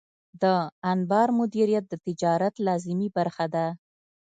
د انبار مدیریت د تجارت لازمي برخه ده.